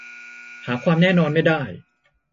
หาความแน่นอนไม่ได้